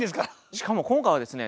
しかも今回はですね